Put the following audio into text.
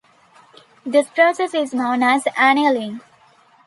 This process is known as annealing.